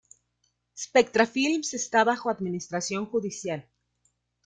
Spectra Films está bajo administración judicial.